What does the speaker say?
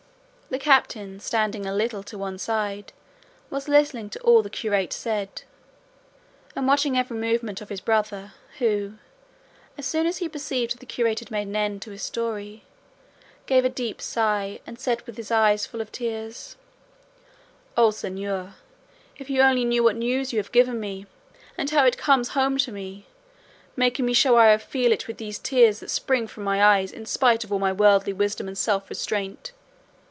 The captain, standing a little to one side, was listening to all the curate said, and watching every movement of his brother, who, as soon as he perceived the curate had made an end of his story, gave a deep sigh and said with his eyes full of tears, "Oh, señor, if you only knew what news you have given me and how it comes home to me, making me show how I feel it with these tears that spring from my eyes in spite of all my worldly wisdom and self restraint!